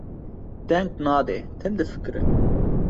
deng nade, tim difikire.